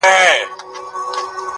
له تش چمن او لاله زار سره مي نه لګیږي؛